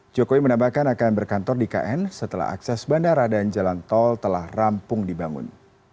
jokowi menambahkan akan berkantor di kn setelah akses bandara dan jalan tol telah rampung dibangun